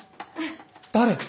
誰？